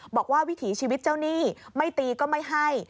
วิถีชีวิตเจ้าหนี้ไม่ตีก็ไม่ให้